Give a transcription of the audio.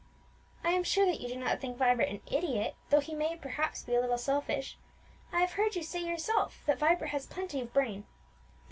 "I am sure that you do not think Vibert an idiot, though he may, perhaps, be a little selfish. I have heard you say yourself that Vibert has plenty of brain."